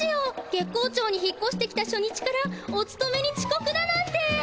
月光町に引っこしてきた初日からおつとめにちこくだなんて。